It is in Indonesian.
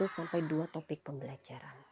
sepuluh sampai dua topik pembelajaran